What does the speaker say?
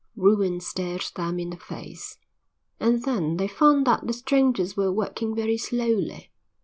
Ruin stared them in the face. And then they found that the strangers were working very slowly.